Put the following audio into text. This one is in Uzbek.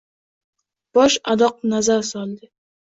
Bosh-adoq nazar soldi.